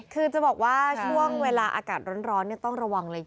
คือจะบอกว่าช่วงเวลาอากาศร้อนต้องระวังเลย